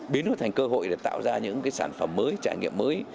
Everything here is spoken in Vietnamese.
biến nó thành cơ hội để tạo ra những cái sản phẩm mới trải nghiệm mới